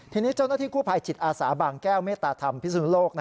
ทีนี้เจ้าหน้าที่กู้ภัยจิตอาสาบางแก้วเมตตาธรรมพิสุนโลก